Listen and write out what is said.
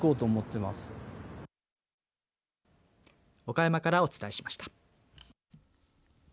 岡山からお伝えしました。